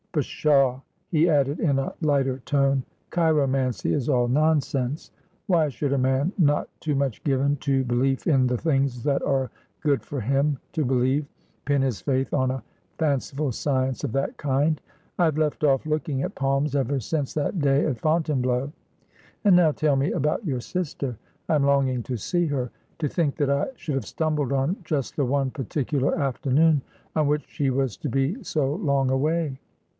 Pshaw,' he added in a lighter tone, ' chiromancy is all nonsense. Why should a man, not too much given to belief in the things that are good for him to believe, pin his faith on a fanciful science of that kind ? I have left off looking at palms ever since that day at Fontainebleau. And now tell me about your sister. I am longing to see her. To think that I should have stumbled on just the one particular afternoon on which she was to be so long away